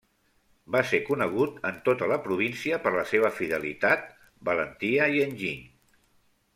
Va ser conegut en tota la província per la seva fidelitat, valentia i enginy.